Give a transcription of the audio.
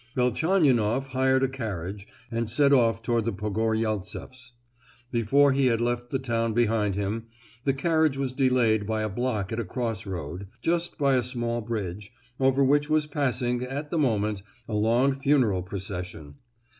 Velchaninoff hired a carriage and set off towards the Pogoryeltseffs. Before he had left the town behind him, the carriage was delayed by a block at a cross road, just by a small bridge, over which was passing, at the moment, a long funeral procession.